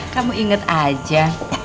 kamu inget aja